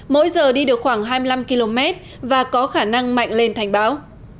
mỗi giờ đi đường áp thấp nhiệt đới di chuyển theo hướng tây tây bắc